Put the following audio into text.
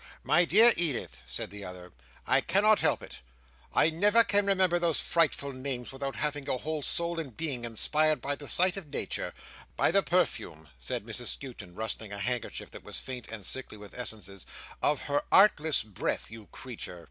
"My dear Edith," said the other, "I cannot help it. I never can remember those frightful names—without having your whole Soul and Being inspired by the sight of Nature; by the perfume," said Mrs Skewton, rustling a handkerchief that was faint and sickly with essences, "of her artless breath, you creature!"